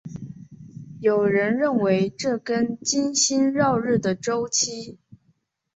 有人认为这跟金星绕日的周期。